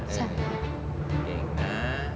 เก่งนะ